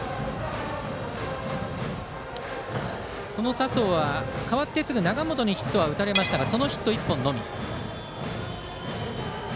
佐宗は代わってすぐ永本にヒットを打たれましたがそのヒット１本のみ。